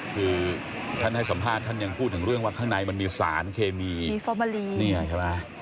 คือท่านให้สัมภาษณ์ท่านยังพูดถึงเรื่องว่าข้างในมันมีสารเคมีมีฟอร์มาลีเนี่ยใช่ไหม